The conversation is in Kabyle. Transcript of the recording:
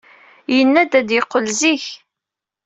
Yenna-d ad d-yeqqel zik.